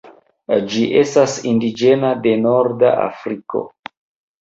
Ĝi estas indiĝena de norda Afriko.